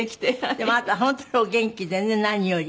でもあなた本当にお元気でね何より。